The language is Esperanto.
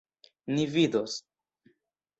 Ni vidos!